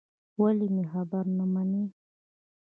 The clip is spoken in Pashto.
ولې مې خبره نه منې.